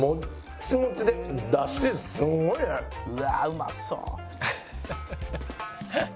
「うわあうまそう！」